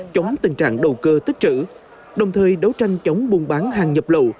chống tình trạng đầu cơ tích trữ đồng thời đấu tranh chống buôn bán hàng nhập lậu